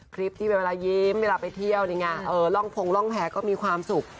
คลิปที่เวลายิ้มเวลาไปเที่ยวนี่ไงร่องพงร่องแพ้ก็มีความสุข